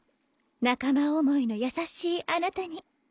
仲間思いの優しいあなたに。